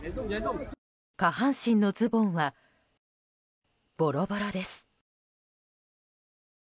下半身のズボンはボロボロです。